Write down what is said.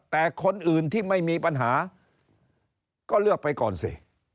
แต่คนอื่นที่ไม่มีปัญหาก็เลือกไปก่อนสิ